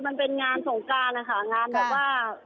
มันเป็นงานสงการนะคะงานแบบว่า